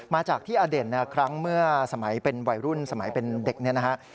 มาจากที่อเด่นครั้งเมื่อสมัยเป็นวัยรุ่นสมัยเป็นเด็กเนี่ยนะฮะ